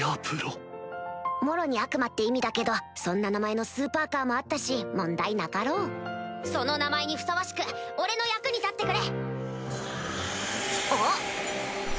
もろに悪魔って意味だけどそんな名前のスーパーカーもあったし問題なかろうその名前にふさわしく俺の役に立ってくれ！